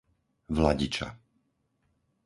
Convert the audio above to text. Vladiča